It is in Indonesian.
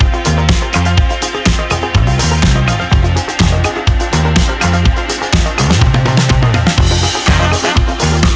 jad rs selesai